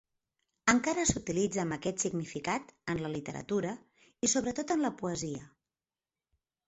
Encara s'utilitza amb aquest significat en la literatura i sobretot en la poesia.